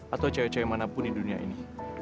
atau cewek cewek manapun di dunia ini